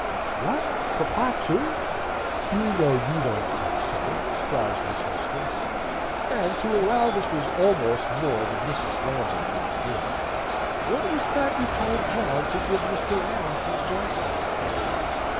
"What, papa too? You know you don't think so," cries Miss Hester. And to allow this was almost more than Mrs. Lambert could afford. "What was that you told John to give to Mr. Warrington's black man?"